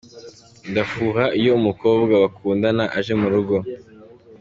Ndafuha iyo umukobwa bakundana aje mu rugo.